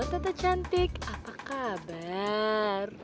tante cantik apa kabar